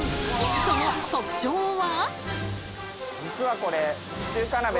その特徴は？